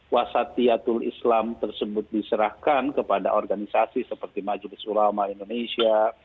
wasatiatul islam tersebut diserahkan kepada organisasi seperti majelis ulama indonesia